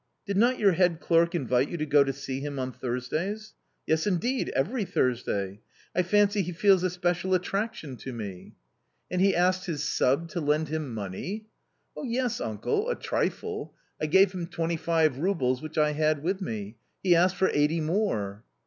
"Did not your head clerk invite you to go to see him on Thursdays ?"" Yes, indeed ; every Thursday. I fancy he feels a special attraction to me." A COMMON STORY 61 " And he asked his sub to lend him money ?" "Yes, uncle, a trifle. I gave him twenty five roubles which I had with me ; he asked for eighty more."